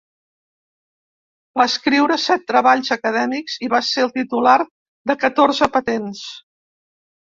Va escriure set treballs acadèmics i va ser el titular de catorze patents.